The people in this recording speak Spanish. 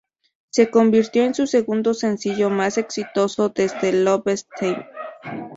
Se convirtió en su segundo sencillo más exitoso desde Love's Theme.